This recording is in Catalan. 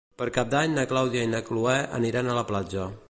Per Cap d'Any na Clàudia i na Cloè aniran a la platja.